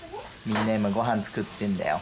みんな今ごはん作ってんだよ。